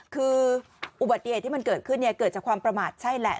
คืออุบัติเหตุที่มันเกิดขึ้นเนี่ยเกิดจากความประมาทใช่แหละ